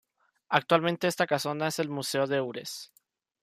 Actualmente esta casona es el Museo de Ures.